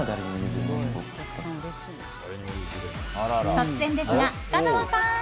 突然ですが深澤さん！